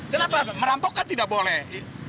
kenapa merampok kan tidak boleh